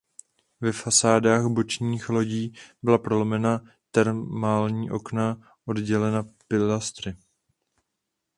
Ve fasádách bočních lodí byla prolomena termální okna oddělena pilastry.